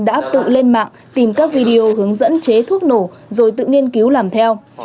đã tự lên mạng tìm các video hướng dẫn chế thuốc nổ rồi tự nghiên cứu làm theo